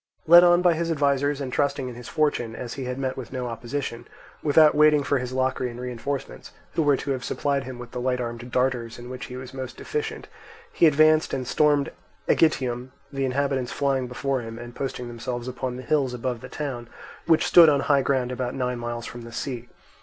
Led on by his advisers and trusting in his fortune, as he had met with no opposition, without waiting for his Locrian reinforcements, who were to have supplied him with the light armed darters in which he was most deficient, he advanced and stormed Aegitium, the inhabitants flying before him and posting themselves upon the hills above the town, which stood on high ground about nine miles from the sea.